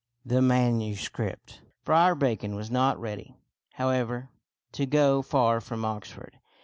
THE MANUSCRIPT Friar Bacon was not ready, however, to go far from Oxford.